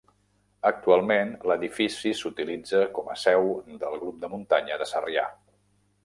Actualment l'edifici s'utilitza com a seu del Grup de muntanya de Sarrià.